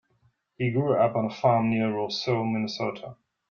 He grew up on a farm near Roseau, Minnesota.